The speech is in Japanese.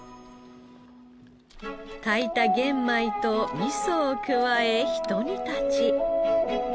炊いた玄米と味噌を加えひと煮立ち。